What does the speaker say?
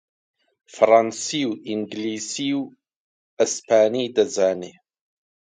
فەڕانسی و ئینگلیسی و ئەسپانی دەزانی